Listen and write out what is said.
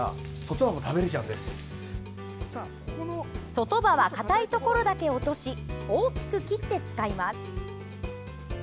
外葉はかたいところだけ落とし大きく切って使います。